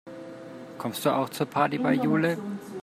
Kommst du auch zur Party bei Jule?